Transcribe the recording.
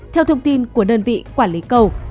theo thông tin của đơn vị quản lý cầu